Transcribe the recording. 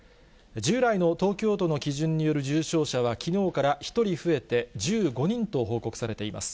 従来の東京都の基準による重症者は、きのうから１人増えて１５人と報告されています。